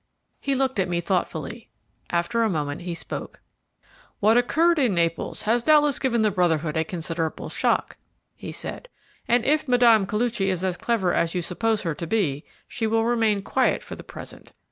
He looked at me thoughtfully; after a moment he spoke. "What occurred in Naples has doubtless given the Brotherhood a considerable shock," he said, "and if Mme. Koluchy is as clever as you suppose her to be, she will remain quiet for the present.